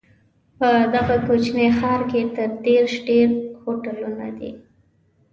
په دغه کوچني ښار کې تر دېرش ډېر هوټلونه دي.